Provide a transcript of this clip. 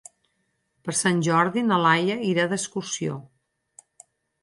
Per Sant Jordi na Laia irà d'excursió.